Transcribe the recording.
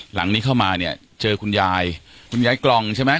หลังนี้เข้ามาเนี่ยเจอคุณยายคุณยายกล่องใช่ไหม